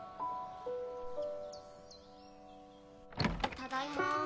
・ただいま。